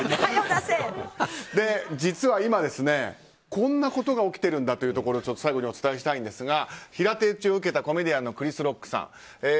実は今、こんなことが起きているということを最後にお伝えしたいんですが平手打ちを受けたコメディアンのクリス・ロックさん。